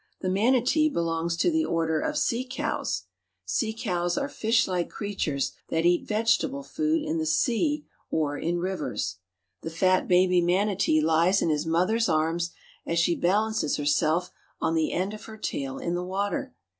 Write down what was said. The manatee belongs to the Order of Sea Cows. Sea Cows are fishlike creatures that eat vegetable food in the sea or in rivers. The fat baby manatee lies in his mother's arms as she balances herself on the end of her tail in the water.